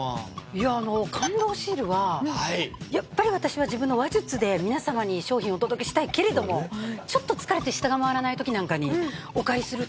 いやあの感動シールはやっぱり私は自分の話術で皆様に商品をお届けしたいけれどもちょっと疲れて舌が回らない時なんかにお借りすると。